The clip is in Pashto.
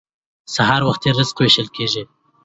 سهار وختي رزق ویشل کیږي.